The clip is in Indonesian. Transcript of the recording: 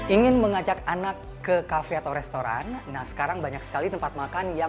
ingin mengajak anak ke cafe atau restoran nah sekarang banyak sekali tempat makan yang